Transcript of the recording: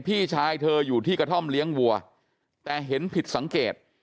พี่ชายเธออยู่ที่กระท่อมเลี้ยงวัวแต่เห็นผิดสังเกต